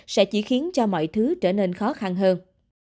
sẽ chỉ khiến cho mọi thứ trở nên khó khăn hơn